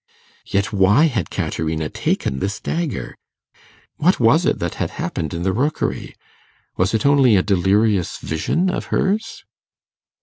Yet, why had Caterina taken this dagger? What was it that had happened in the Rookery? Was it only a delirious vision of hers?